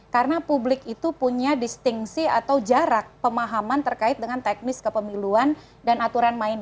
karena publik itu punya distingsi atau jarak pemahaman terkait dengan teknis kepemiluan dan aturan main yang ada